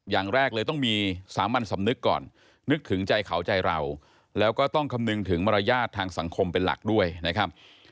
อย่างแรกเลยต้องมีสามัญสำนึกก่อนนึกถึงใจเขาใจเราแล้วก็ต้องคำนึงถึงมารยาททางสังคมเป็นหลักด้วยนะครับ